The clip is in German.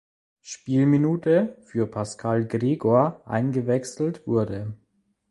Spielminute für Pascal Gregor eingewechselt wurde.